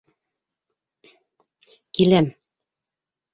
Киләм.